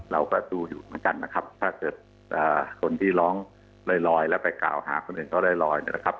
เราก็ดูอยู่เหมือนกันนะครับถ้าเกิดคนที่ร้องลอยแล้วไปกล่าวหาคนอื่นก็ลอยเนี่ยนะครับ